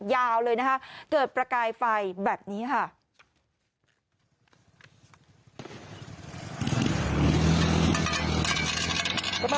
ยาวเลยนะคะเกิดประกายไฟแบบนี้ค่ะ